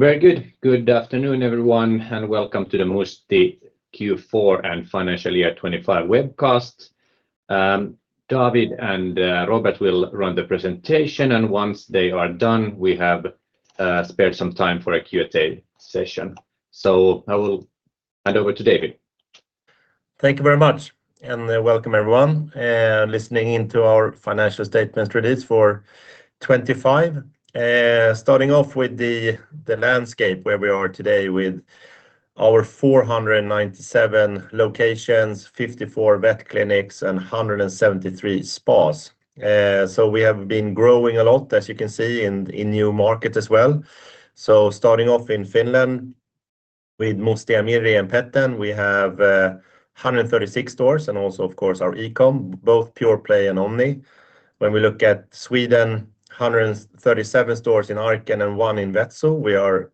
Very good. Good afternoon, everyone, and welcome to the Musti Q4 and Financial Year 2025 webcast. David and Robert will run the presentation, and once they are done, we have spared some time for a Q&A session. So I will hand over to David. Thank you very much, and welcome everyone listening into our financial statements release for 2025. Starting off with the landscape where we are today with our 497 locations, 54 vet clinics, and 173 spas. So we have been growing a lot, as you can see, in new markets as well. Starting off in Finland with Musti ja Mirri & Peten, we have 136 stores and also, of course, our e-com, both pure play and omni. When we look at Sweden, 137 stores in Arken and one in VetZoo. We are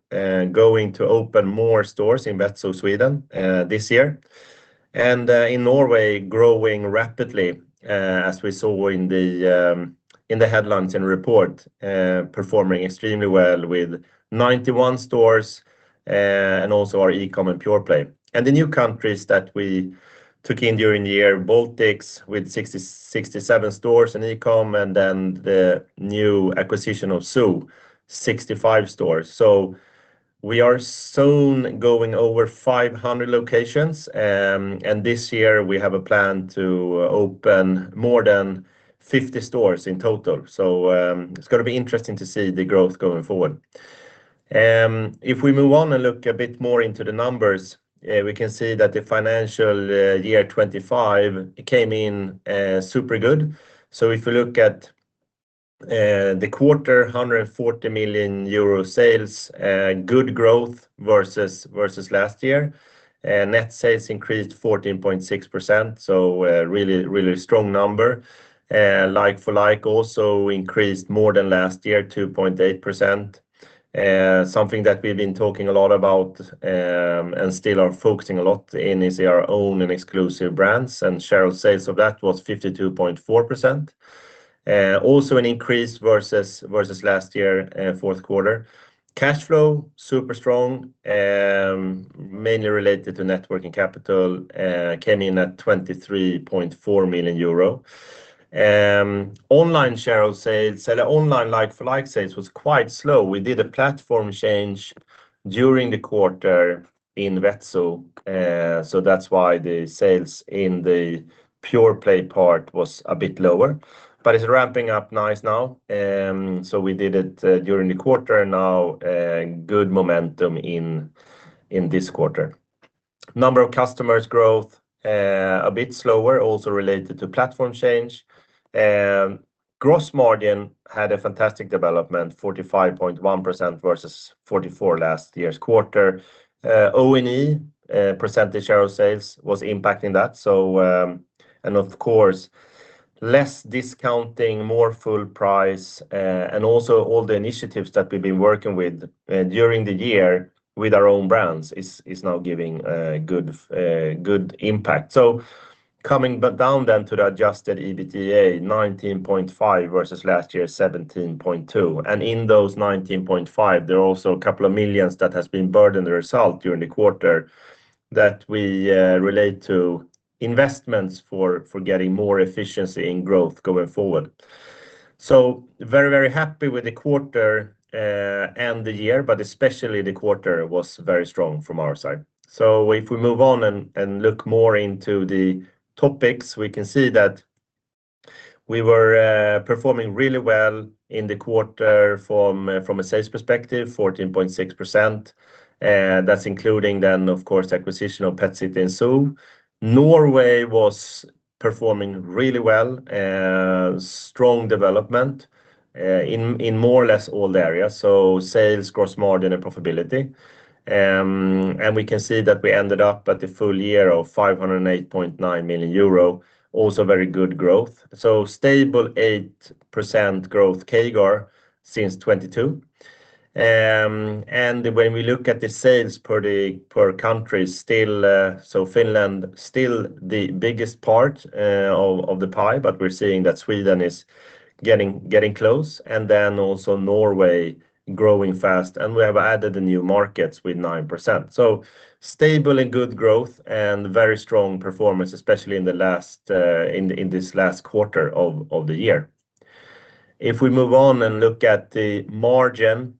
going to open more stores in VetZoo, Sweden, this year. In Norway, growing rapidly, as we saw in the headlines in the report, performing extremely well with 91 stores, and also our e-com and pure play. The new countries that we took in during the year, Baltics with 67 stores in e-com, and then the new acquisition of ZU, 65 stores. We are soon going over 500 locations, and this year we have a plan to open more than 50 stores in total. It's going to be interesting to see the growth going forward. If we move on and look a bit more into the numbers, we can see that the financial year 2025 came in super good. If we look at the quarter, 140 million euro sales, good growth versus last year. Net sales increased 14.6%, so really, really strong number. Like-for-like also increased more than last year, 2.8%. Something that we've been talking a lot about, and still are focusing a lot in is our own and exclusive brands, and share of sales of that was 52.4%. Also an increase versus last year, fourth quarter. Cash flow, super strong, mainly related to net working capital, came in at 23.4 million euro. Online net sales, the online like-for-like sales was quite slow. We did a platform change during the quarter in VetZoo, so that's why the sales in the pureplay part was a bit lower. But it's ramping up nice now. So we did it during the quarter, now good momentum in this quarter. Number of customers growth, a bit slower, also related to platform change. Gross margin had a fantastic development, 45.1% versus 44% last year's quarter. O&E percentage net sales was impacting that. So, and of course, less discounting, more full price, and also all the initiatives that we've been working with during the year with our own brands is now giving good impact. So coming down then to the Adjusted EBITDA, 19.5 versus last year's 17.2. And in those 19.5, there are also a couple of million EUR that has been burdened as a result during the quarter that we relate to investments for, for getting more efficiency in growth going forward. So very, very happy with the quarter, and the year, but especially the quarter was very strong from our side. So if we move on and, and look more into the topics, we can see that we were performing really well in the quarter from, from a sales perspective, 14.6%. That's including then, of course, acquisition of Pet City and ZU. Norway was performing really well, strong development in, in more or less all the areas. So sales, gross margin, and profitability. And we can see that we ended up at the full year of 508.9 million euro, also very good growth. So, stable 8% growth CAGR since 2022. And when we look at the sales per the countries, still, so Finland, still the biggest part of the pie, but we're seeing that Sweden is getting close. And then also Norway growing fast, and we have added the new markets with 9%. So stable and good growth and very strong performance, especially in the last, in this last quarter of the year. If we move on and look at the margin,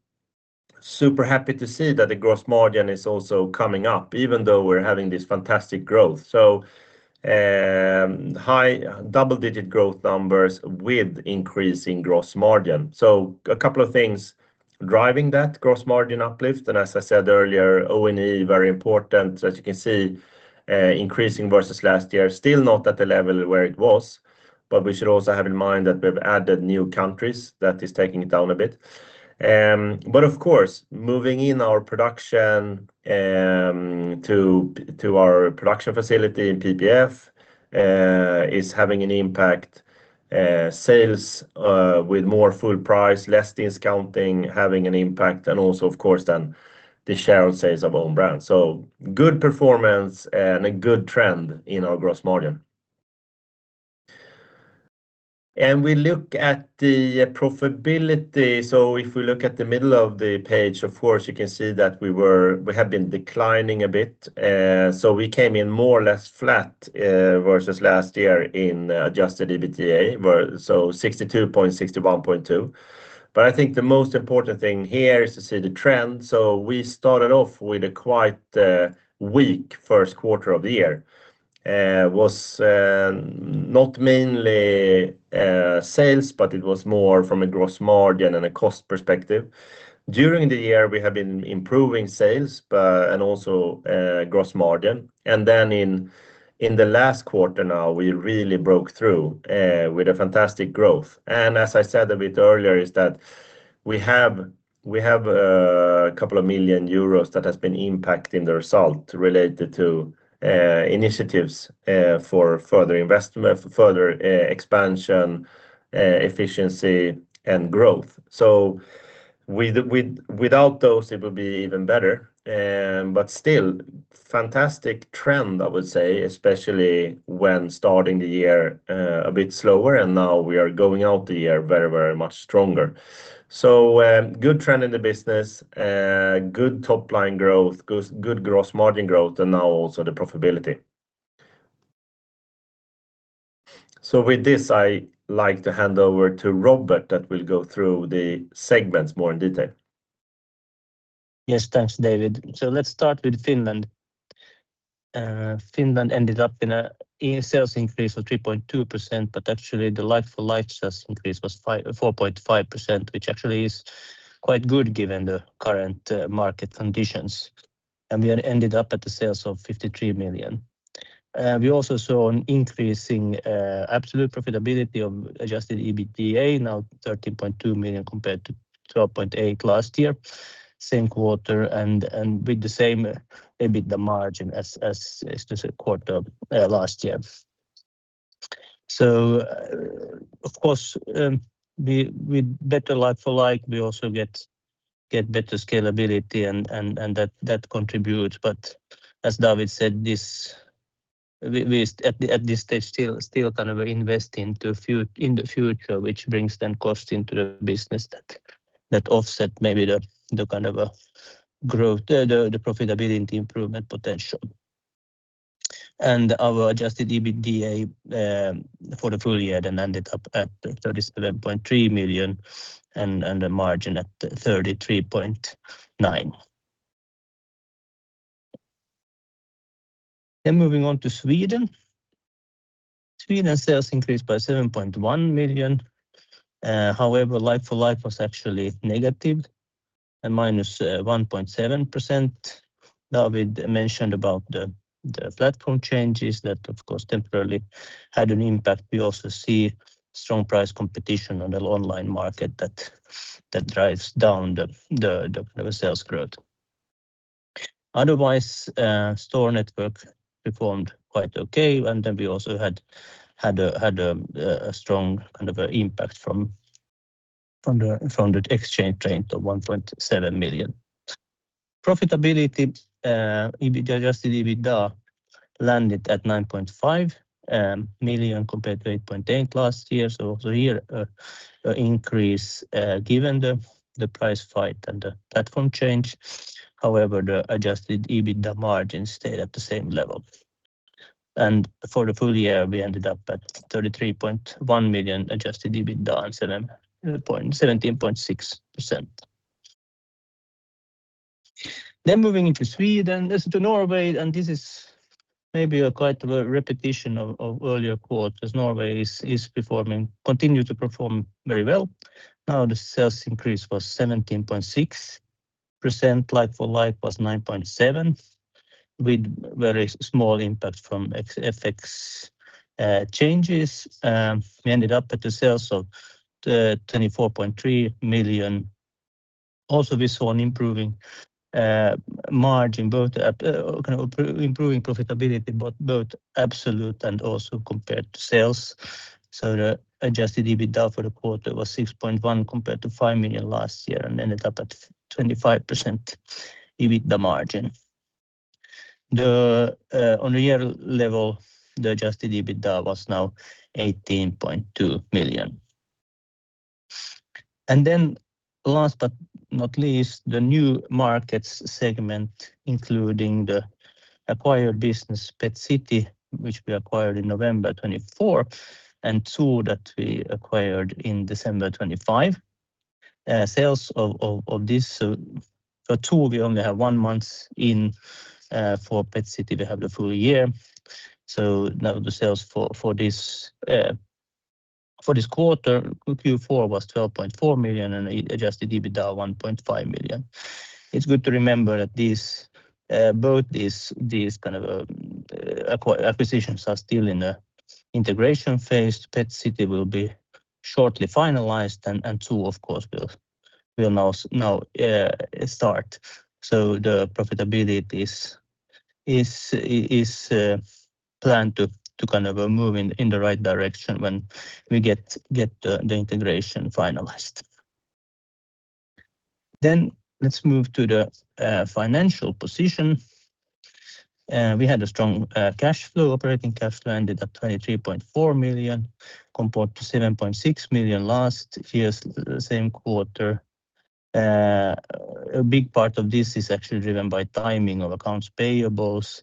super happy to see that the gross margin is also coming up, even though we're having this fantastic growth. So, high double-digit growth numbers with increasing gross margin. So a couple of things driving that gross margin uplift. And as I said earlier, O&E, very important, as you can see, increasing versus last year. Still not at the level where it was, but we should also have in mind that we've added new countries that is taking it down a bit. But of course, moving our production to our production facility in PPF is having an impact. Sales, with more full price, less discounting, having an impact, and also, of course, then the higher sales of own brands. So good performance, and a good trend in our gross margin. And we look at the profitability. So if we look at the middle of the page, of course, you can see that we have been declining a bit. So we came in more or less flat, versus last year in Adjusted EBITDA, so 62.6, 61.2. But I think the most important thing here is to see the trend. So we started off with a quite weak first quarter of the year. It was not mainly sales, but it was more from a gross margin and a cost perspective. During the year, we have been improving sales, but also gross margin. And then in the last quarter now, we really broke through with a fantastic growth. And as I said a bit earlier, that we have a couple of million EUR that has been impacting the result related to initiatives for further investment, further expansion, efficiency, and growth. So without those, it would be even better. But still, fantastic trend, I would say, especially when starting the year a bit slower, and now we are going out the year very, very much stronger. So good trend in the business, good top-line growth, good gross margin growth, and now also the profitability. So with this, I'd like to hand over to Robert that will go through the segments more in detail. Yes, thanks, David. So let's start with Finland. Finland ended up in a sales increase of 3.2%, but actually the like-for-like sales increase was 4.5%, which actually is quite good given the current market conditions. And we ended up at the sales of 53 million. We also saw an increasing absolute profitability of Adjusted EBITDA, now 13.2 million compared to 12.8 million last year, same quarter, and with the same margin as the quarter last year, a bit. So, of course, with better like-for-like, we also get better scalability, and that contributes. But as David said, this, we at this stage still kind of invest into a few in the future, which brings then costs into the business that offset maybe the kind of a growth, the profitability improvement potential. And our Adjusted EBITDA for the full year then ended up at 37.3 million and a margin at 33.9%. Then moving on to Sweden. Sweden sales increased by 7.1 million. However, like for like was actually negative and -1.7%. David mentioned about the platform changes that, of course, temporarily had an impact. We also see strong price competition on the online market that drives down the kind of a sales growth. Otherwise, store network performed quite okay, and then we also had a strong kind of a impact from the exchange rate of 1.7 million. Profitability, Adjusted EBITDA landed at 9.5 million compared to 8.8 million last year. So also here, an increase, given the price fight and the platform change. However, the Adjusted EBITDA margin stayed at the same level. For the full year, we ended up at 33.1 million adjusted EBITDA and 17.6%. Then moving into Sweden to Norway, and this is maybe quite a repetition of earlier quarters. Norway is performing, continues to perform very well. Now the sales increase was 17.6%, like for like was 9.7%, with very small impact from FX changes. We ended up at the sales of 24.3 million. Also we saw an improving margin, both kind of improving profitability, both absolute and also compared to sales. So the adjusted EBITDA for the quarter was 6.1 million compared to 5 million last year and ended up at 25% EBITDA margin. On a year level, the adjusted EBITDA was now 18.2 million. And then last but not least, the new markets segment, including the acquired business Pet City, which we acquired in November 2024, and Zu that we acquired in December 2025. Sales of this, for Zu we only have one month in, for Pet City, we have the full year. So now the sales for this quarter, Q4 was 12.4 million and adjusted EBITDA 1.5 million. It's good to remember that both these kind of acquisitions are still in the integration phase. Pet City will be shortly finalized and Zu, of course, will now start. So the profitability is planned to kind of move in the right direction when we get the integration finalized. Then let's move to the financial position. We had a strong cash flow, operating cash flow ended at 23.4 million, compared to 7.6 million last year, same quarter. A big part of this is actually driven by timing of accounts payables.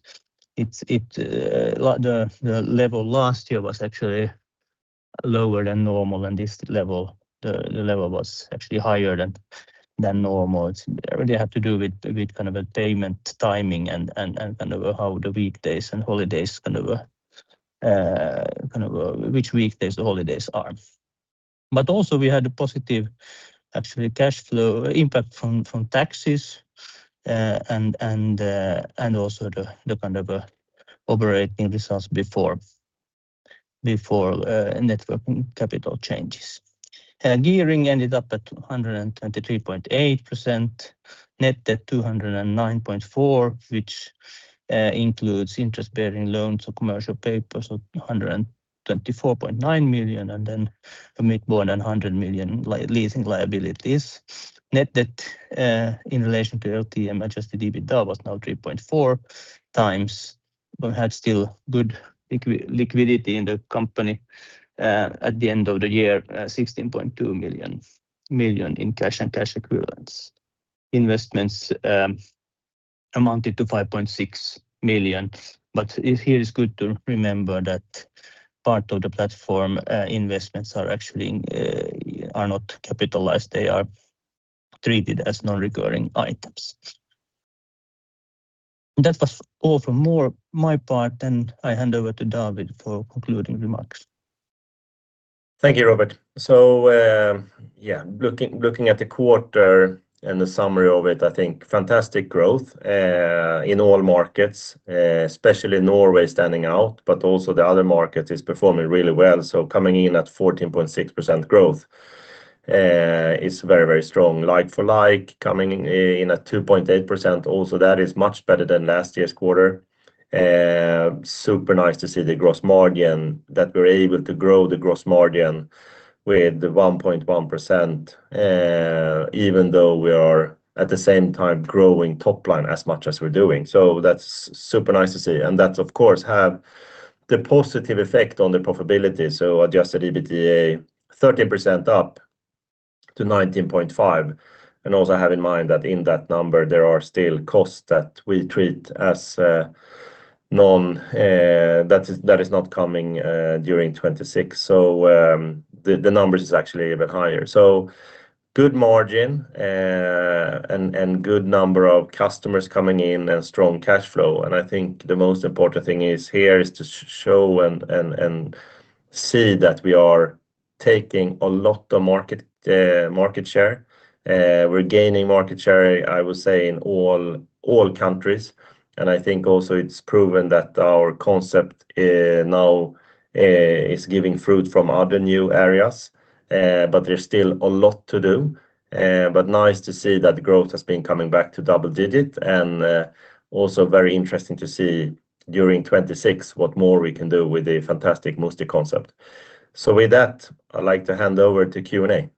The level last year was actually lower than normal and this level was actually higher than normal. It's really had to do with kind of a payment timing and kind of how the weekdays and holidays kind of which weekdays the holidays are. But also we had a positive actually cash flow impact from taxes, and also the kind of a operating results before net working capital changes. Gearing ended up at 123.8%, net debt at 209.4%, which includes interest-bearing loans or commercial papers of 124.9 million and net more than 100 million leasing liabilities. Net debt, in relation to LTM adjusted EBITDA was now 3.4x. We had still good liquidity in the company, at the end of the year, 16.2 million in cash and cash equivalents. Investments amounted to 5.6 million. But here it's good to remember that part of the platform, investments are actually, are not capitalized. They are treated as non-recurring items. That was all from my part, and I hand over to David for concluding remarks. Thank you, Robert. So, yeah, looking at the quarter and the summary of it, I think fantastic growth in all markets, especially Norway standing out, but also the other markets is performing really well. So coming in at 14.6% growth is very, very strong. Like-for-like coming in at 2.8%, also that is much better than last year's quarter. Super nice to see the gross margin that we're able to grow the gross margin with 1.1%, even though we are at the same time growing top-line as much as we're doing. So that's super nice to see. And that's, of course, have the positive effect on the profitability. So Adjusted EBITDA 13% up to 19.5%. And also have in mind that in that number, there are still costs that we treat as non-recurring, that is not coming during 2026. So, the numbers is actually even higher. So good margin, and good number of customers coming in and strong cash flow. And I think the most important thing is here is to show and see that we are taking a lot of market share. We're gaining market share, I would say, in all countries. And I think also it's proven that our concept, now, is giving fruit from other new areas. But there's still a lot to do. But nice to see that growth has been coming back to double digit and, also very interesting to see during 2026 what more we can do with the fantastic Musti concept. So with that, I'd like to hand over to Q&A.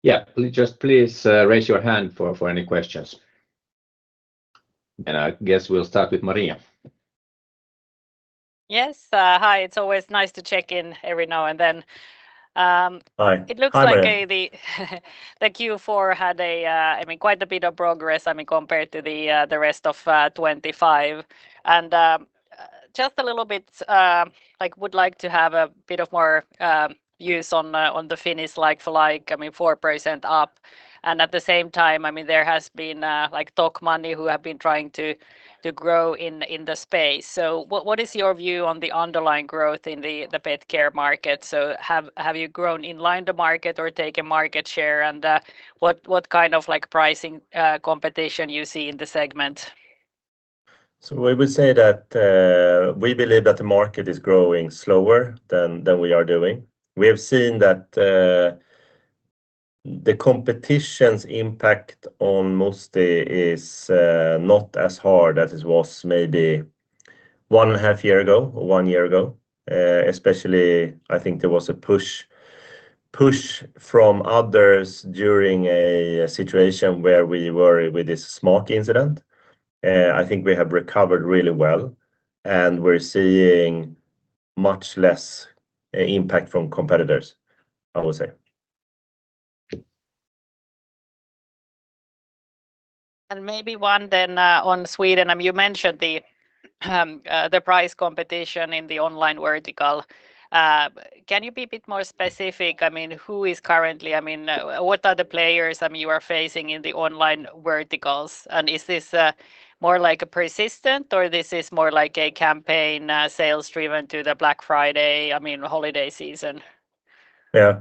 Yeah, just please raise your hand for any questions. I guess we'll start with Maria. Yes, hi. It's always nice to check in every now and then. Hi. It looks like the Q4 had a, I mean, quite a bit of progress, I mean, compared to the rest of 2025. And just a little bit, like, would like to have a bit of more views on the Finnish like-for-like, I mean, 4% up. And at the same time, I mean, there has been like Tokmanni who have been trying to grow in the space. So what is your view on the underlying growth in the pet care market? So have you grown in line the market or taken market share? And what kind of pricing competition you see in the segment? So I would say that we believe that the market is growing slower than we are doing. We have seen that the competition's impact on Musti is not as hard as it was maybe one point five years ago or one year ago. Especially, I think there was a push from others during a situation where we were with this smoke incident. I think we have recovered really well and we're seeing much less impact from competitors, I would say. Maybe one then on Sweden. I mean, you mentioned the price competition in the online vertical. Can you be a bit more specific? I mean, who is currently, I mean, what are the players I mean, you are facing in the online verticals? And is this more like a persistent or this is more like a campaign sales driven to the Black Friday, I mean, holiday season? Yeah.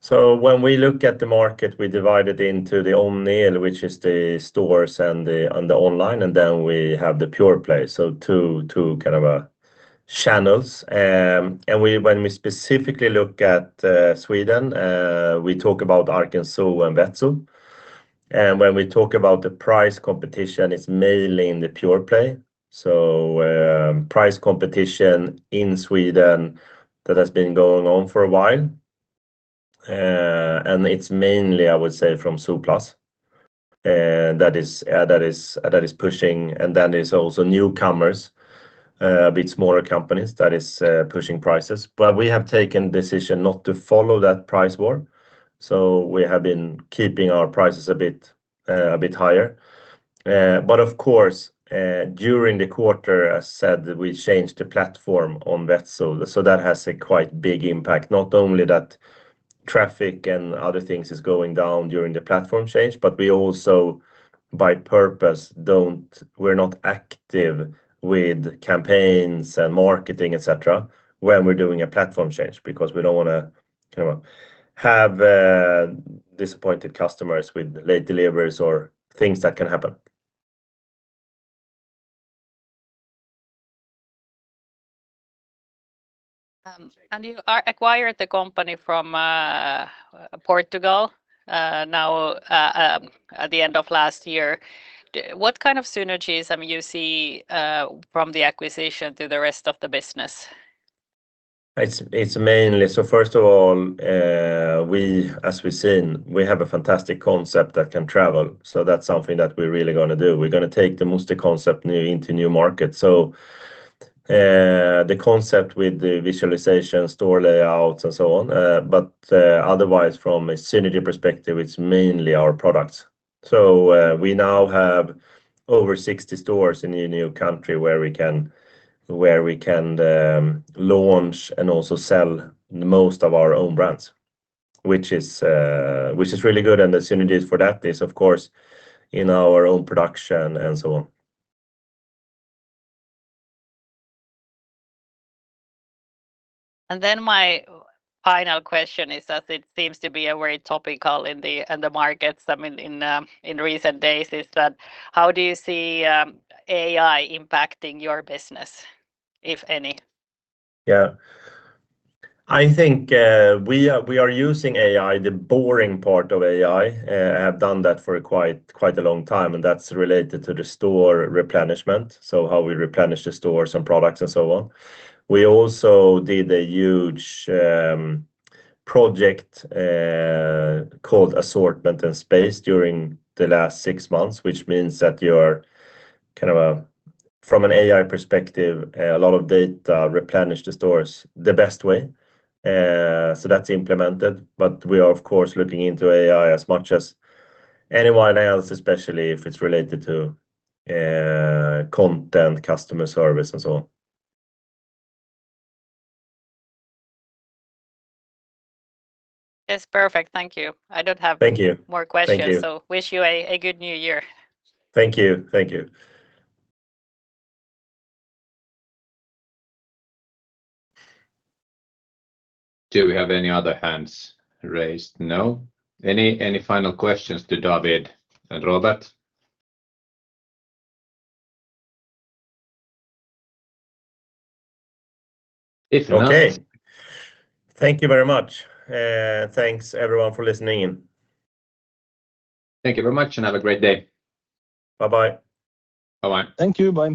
So when we look at the market, we divide it into the omnichannel, which is the stores and the online, and then we have the pureplay. So two kind of channels. And when we specifically look at Sweden, we talk about Arken Zoo and VetZoo. And when we talk about the price competition, it's mainly in the pureplay. So price competition in Sweden that has been going on for a while. And it's mainly, I would say, from Zooplus. That is pushing. And then there's also newcomers, a bit smaller companies that are pushing prices. But we have taken the decision not to follow that price war. So we have been keeping our prices a bit higher. But of course, during the quarter, as said, we changed the platform on VetZoo. So that has a quite big impact. Not only that traffic and other things is going down during the platform change, but we also by purpose don't, we're not active with campaigns and marketing, et cetera, when we're doing a platform change because we don't want to kind of have disappointed customers with late deliveries or things that can happen. You acquired the company from Portugal now at the end of last year. What kind of synergies, I mean, you see from the acquisition to the rest of the business? It's mainly, so first of all, we, as we've seen, we have a fantastic concept that can travel. So that's something that we're really going to do. We're going to take the Musti concept into new markets. So the concept with the visualization, store layouts and so on. But otherwise, from a synergy perspective, it's mainly our products. So we now have over 60 stores in a new country where we can launch and also sell most of our own brands, which is really good. And the synergies for that is, of course, in our own production and so on. My final question is, as it seems to be a very topical in the markets, I mean, in recent days, is that how do you see AI impacting your business, if any? Yeah. I think we are using AI, the boring part of AI. I have done that for quite a long time. And that's related to the store replenishment. So how we replenish the stores and products and so on. We also did a huge project called Assortment and Space during the last six months, which means that you are kind of, from an AI perspective, a lot of data replenish the stores the best way. So that's implemented. But we are, of course, looking into AI as much as anyone else, especially if it's related to content, customer service, and so on. That's perfect. Thank you. I don't have more questions. Wish you a good new year. Thank you. Thank you. Do we have any other hands raised? No? Any final questions to David and Robert? If not. Okay. Thank you very much. Thanks, everyone, for listening in. Thank you very much and have a great day. Bye-bye. Bye-bye. Thank you. Bye.